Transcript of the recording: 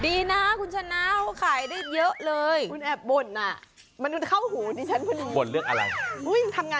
ดีนะอ่ะคุณชนะวขายได้ช่อนนักทำงานออกเยอะเลยคุณแอบบ่นอ่ะ